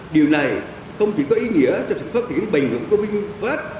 điều này không chỉ có ý nghĩa cho sự phát triển bình thường của vinfast